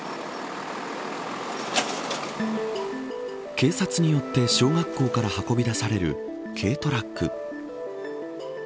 警察によって小学校から運び出される軽トラック。